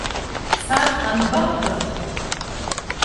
Ҳцар анбабҭаху?